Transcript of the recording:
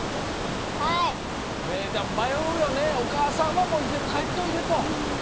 迷うよね、お母さんはいつでも帰っておいでと。